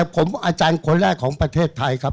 ผมอาจารย์คนแรกของประเทศไทยครับ